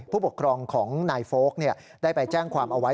ผู้ปกครองของนายโฟลกได้ไปแจ้งความเอาไว้